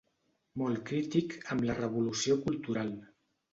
Molt crític amb la Revolució Cultural.